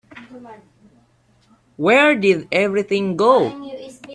Where did everything go?